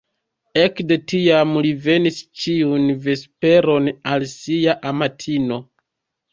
Ekde tiam li venis ĉiun vesperon al sia amatino.